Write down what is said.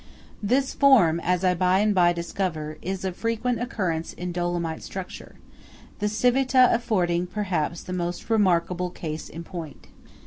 This form, as I by and by discover, is of frequent occurrence in Dolomite structure; the Civita affording, perhaps, the most remarkable case in point.